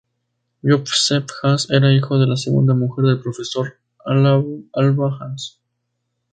Joseph Haas era hijo de la segunda mujer del profesor Alban Haas.